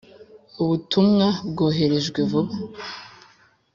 Ubutumwa bwoherejwe vuba.